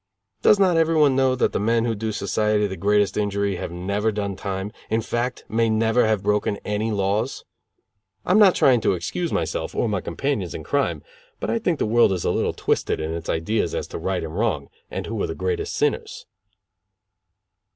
Does not everyone know that the men who do society the greatest injury have never done time; in fact, may never have broken any laws? I am not trying to excuse myself or my companions in crime, but I think the world is a little twisted in its ideas as to right and wrong, and who are the greatest sinners.